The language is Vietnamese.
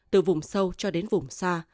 từ vùng sâu cho đến vùng xa